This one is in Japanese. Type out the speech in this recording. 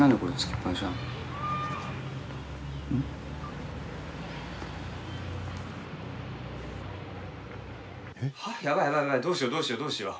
どうしよう。